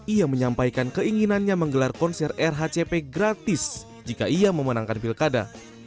ia menyampaikan keinginannya menggelar konser rhcp gratis jika ia memenangkan pilkada